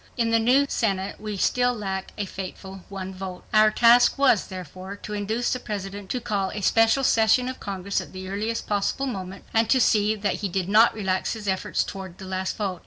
In the new Senate we still lacked a fateful one vote. Our task was, therefore, to induce the President to call a special session of Congress at the earliest possible moment, and to see that he did not relax his efforts toward the last vote.